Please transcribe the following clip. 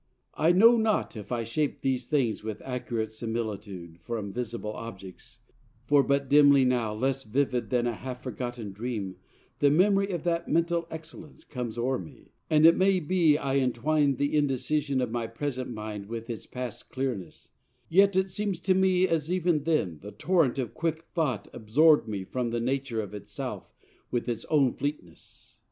I know not if I shape These things with accurate similitude From visible objects, for but dimly now, Less vivid than a half forgotten dream, The memory of that mental excellence Comes o'er me, and it may be I entwine The indecision of my present mind With its past clearness, yet it seems to me As even then the torrent of quick thought Absorbed me from the nature of itself With its own fleetness.